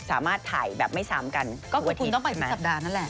สามารถถ่ายแบบไม่ซ้ำกันก็คือคุณต้องไปสัปดาห์นั่นแหละ